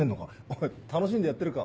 おい楽しんでやってるか？